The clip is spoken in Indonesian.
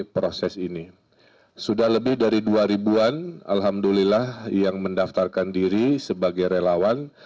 proses ini sudah lebih dari dua ribu an alhamdulillah yang mendaftarkan diri sebagai relawan